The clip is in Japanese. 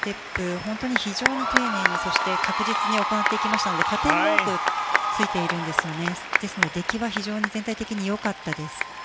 本当に非常に丁寧にそして確実に行っていきましたので加点も多くついているんですよねですので、出来は全体的に非常によかったです。